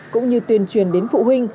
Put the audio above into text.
cũng như tuyên truyền đến phụ huynh